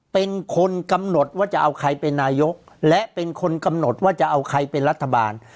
เป็นคนกำหนดว่าจะเอาใครเป็นนายกและเป็นคนกำหนดว่าจะเอาใครเป็นรัฐบาล